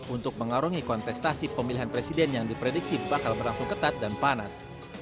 untuk mengarungi kontestasi pemilihan presiden yang diprediksi bakal berlangsung ketat dan panas